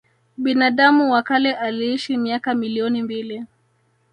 Binadamu wa kale aliishi miaka milioni mbili